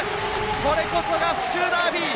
これこそが府中ダービー！